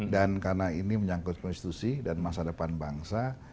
dan karena ini menyangkut institusi dan masa depan bangsa